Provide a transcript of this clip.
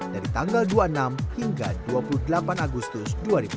dari tanggal dua puluh enam hingga dua puluh delapan agustus dua ribu dua puluh